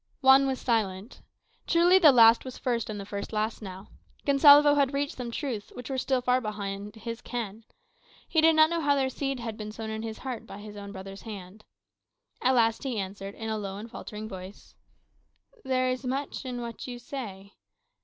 Juan was silent. Truly the last was first, and the first last now. Gonsalvo had reached some truths which were still far beyond his ken. He did not know how their seed had been sown in his heart by his own brother's hand. At length he answered, in a low and faltering voice, "There is much in what you say.